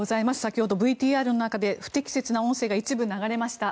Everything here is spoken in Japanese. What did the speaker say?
先ほどＶＴＲの中で不適切な音声が一部流れました。